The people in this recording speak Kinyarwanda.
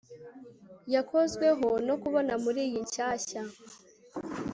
Yakozweho no kubona muriyi nshyashya